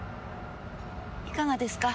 いかがですか？